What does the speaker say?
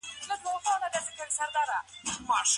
حکومتونه بايد د خلګو آندونو ته بشپړ درناوی وکړي.